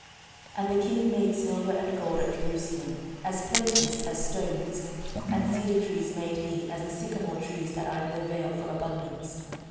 14:001:015 And the king made silver and gold at Jerusalem as plenteous as stones, and cedar trees made he as the sycomore trees that are in the vale for abundance.